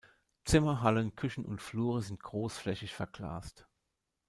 Zimmer, Hallen, Küchen und Flure sind großflächig verglast.